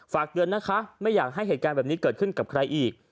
ฝากเตือนนะคะไม่อยากให้เหตุการณ์แบบนี้เกิดขึ้นกับใครอีก